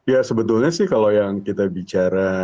ya sebetulnya sih kalau yang kita bicara